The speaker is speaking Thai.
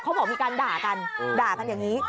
เขาบอกมีการด่ากันด่ากันอย่างนี้